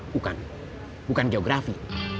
bukan bukan geografi